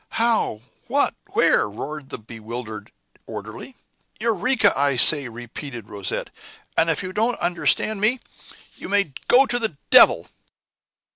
"How? What? Where?" roared the bewildered orderly. "Eureka! I say," repeated Rosette; "and if you don't understand me, you may go to the devil!"